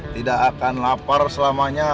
tidak akan lapar selamanya